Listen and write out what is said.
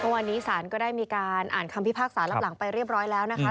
วันนี้ศาลก็ได้มีการอ่านคำพิพากษารับหลังไปเรียบร้อยแล้วนะคะ